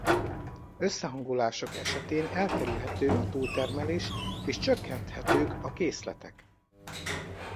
Összehangolásuk esetén elkerülhető a túltermelés és csökkenthetők a készletek.